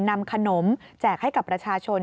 นำขนมแจกให้กับประชาชน